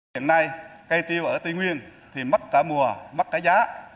hiện nay cây tiêu ở tây nguyên thì mất cả mùa mất cả giá